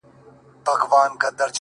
دې جوارۍ کي يې دوه زړونه په يوه ايښي دي’